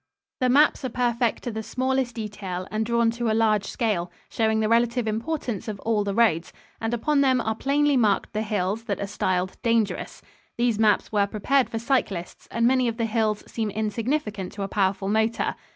The maps are perfect to the smallest detail and drawn to a large scale, showing the relative importance of all the roads; and upon them are plainly marked the hills that are styled "dangerous." These maps were prepared for cyclists, and many of the hills seem insignificant to a powerful motor.